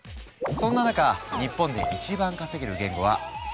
そんな中日本で一番稼げる言語は「Ｓｗｉｆｔ」。